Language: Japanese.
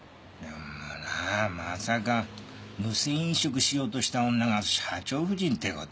まさか無銭飲食しようとした女が社長夫人ってことは。